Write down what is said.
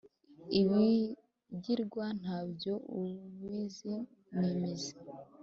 ibigirwa ntabyo ubizi n’imizi